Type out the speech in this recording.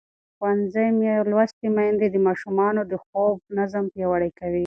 ښوونځې لوستې میندې د ماشومانو د خوب نظم پیاوړی کوي.